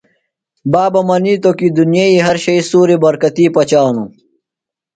بابہ منِیتوۡ کی دُنئی ہر شئی سُوری برکتی پچانُوُ۔